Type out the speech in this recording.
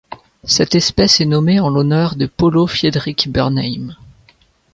Cette espèce est nommée en l'honneur de Paulo Friedrich Bührnheim.